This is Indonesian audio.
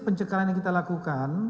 pencekalan yang kita lakukan